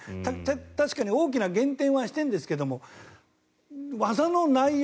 確かに大きな減点はしていますけど技の内容